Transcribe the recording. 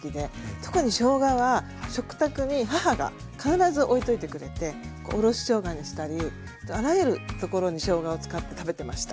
特にしょうがは食卓に母が必ず置いといてくれてこうおろししょうがにしたりあらゆるところにしょうがを使って食べてました。